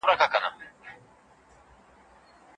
دا مرغۍ باید په ازاده فضا کي البوځي.